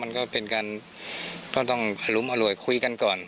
มันก็เป็นการต้องขลุมอร่วยคุยกันก่อน